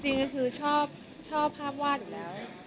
จริงก็คือชอบภาพวาดอยู่แล้ว